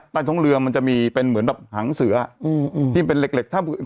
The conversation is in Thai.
ใต้ท้องเรือมันจะมีเป็นเหมือนแบบหางเสือที่มันเป็นเหล็กถ้ำอื่น